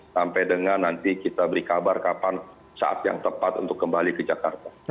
sampai dengan nanti kita beri kabar kapan saat yang tepat untuk kembali ke jakarta